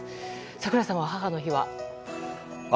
櫻井さん、母の日は？